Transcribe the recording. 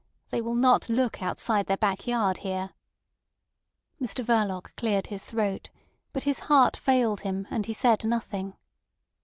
They will not look outside their backyard here." Mr Verloc cleared his throat, but his heart failed him, and he said nothing.